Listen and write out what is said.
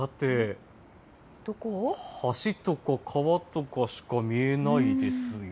橋とか川とかしか見えないですよ。